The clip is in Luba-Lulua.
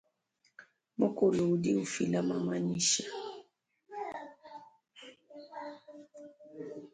Mukulu udi ufila mamanyisha.